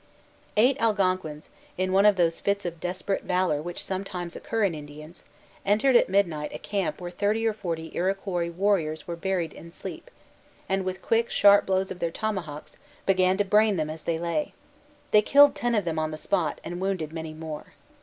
Eight Algonquins, in one of those fits of desperate valor which sometimes occur in Indians, entered at midnight a camp where thirty or forty Iroquois warriors were buried in sleep, and with quick, sharp blows of their tomahawks began to brain them as they lay. They killed ten of them on the spot, and wounded many more.